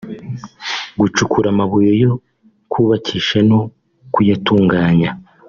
gucukura amabuye yo kubakisha no kuyatunganya